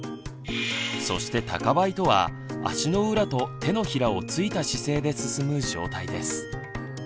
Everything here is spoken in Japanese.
そして高ばいとは足の裏と手のひらをついた姿勢で進む状態です。